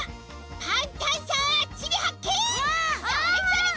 はい。